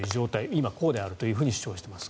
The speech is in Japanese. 今、こうであると主張しています。